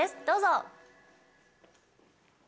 どうぞ！